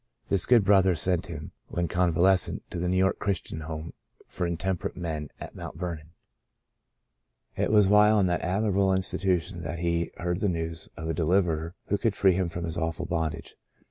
This good brother sent him, when convales cent, to the New York Christian Home for i68 The Lifted Bondage Intemperate Men at Mount Vernon. It was while in that admirable institution that he heard the news of a Deliverer who could free him from his awful bondage.